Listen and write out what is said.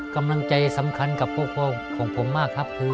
กำลังใจสำคัญกับพวกพ่อของผมมากครับคือ